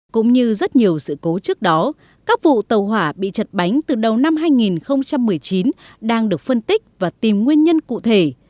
cũng như rất nhiều sự cố trước đó các vụ tàu hỏa bị chật bánh từ đầu năm hai nghìn một mươi chín đang được phân tích và tìm nguyên nhân cụ thể